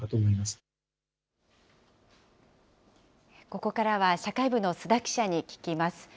ここからは、社会部の須田記者に聞きます。